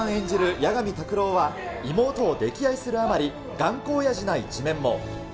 八神拓郎は妹を溺愛するあまり、頑固おやじな一面も。